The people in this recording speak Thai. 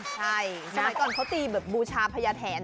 ใช่สมัยก่อนเขาตีแบบบูชาพญาแถน